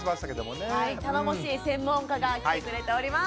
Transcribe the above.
頼もしい専門家が来てくれております。